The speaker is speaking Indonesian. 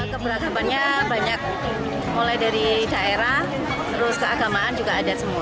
keberagamannya banyak mulai dari daerah terus keagamaan juga ada semua